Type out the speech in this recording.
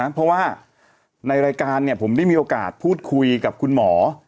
เพราะว่าในรายการเนี่ยผมได้มีโอกาสพูดคุยกับคุณหมอ